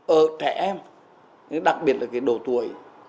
ở trẻ em đặc biệt là cái độ tuổi